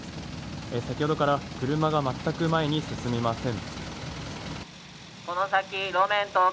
先ほどから車がまったく前に進みません。